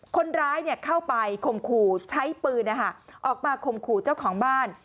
คนร้ายเข้าไปคมขู่ใช้ปืนออกมาข่มขู่เจ้าของบ้าน